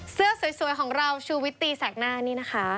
เสื้อสวยของเราชูวิตตีแสกหน้านี่นะคะ